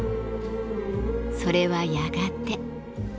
それはやがて。